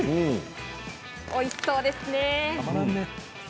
おいしそうですね。